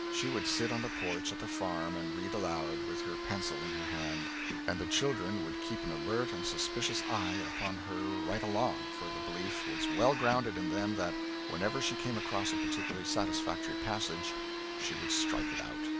She would sit on the porch at the farm and read aloud, with her pencil in her hand, and the children would keep an alert and suspicious eye upon her right along, for the belief was well grounded in them that whenever she came across a particularly satisfactory passage she would strike it out.